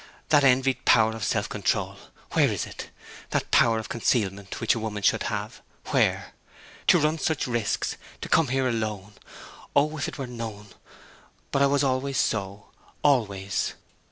'That envied power of self control, where is it? That power of concealment which a woman should have where? To run such risks, to come here alone, oh, if it were known! But I was always so, always!'